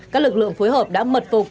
các lực lượng phối hợp đã mật phục